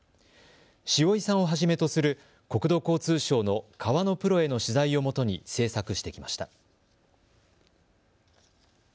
塩井さんをはじめとする国土交通省の川のプロへの取材をもとに制作してきました。